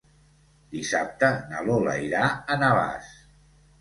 Dissabte na Lola irà a Navàs.